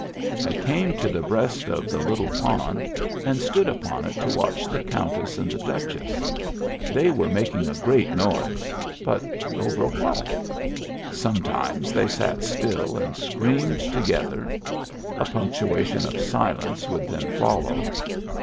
I came to the breast of the little pond and stood upon it to watch the Countess and the Duchess. They were making a great noise; but over what? Sometimes they sat still and screamed together ; a punctuation of silence would then follow.